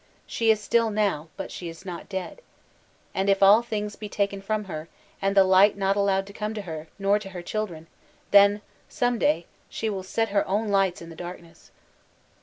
She is still now, — but she is not dead. And if all things be taken from her, and the light not allowed to come to her, nor to her children, — then — some day — she will set her own lights in the darkness.